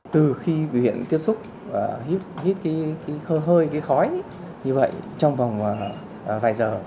từ khi bệnh viện tiếp xúc và hít hơi khói trong vòng vài giờ